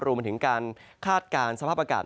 รวมถึงการคาดการณ์สภาพอากาศ